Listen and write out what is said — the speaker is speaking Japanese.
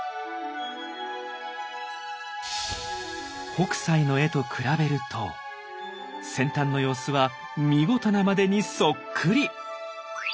北斎の絵と比べると先端の様子は見事なまでにそっくり！